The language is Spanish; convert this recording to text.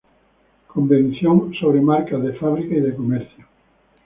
Convención sobre marcas de Fábrica y de Comercio.